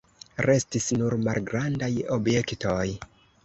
Restis nur malgrandaj objektoj.